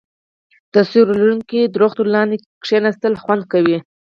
د سیوري لرونکو ونو لاندې کیناستل خوند کوي.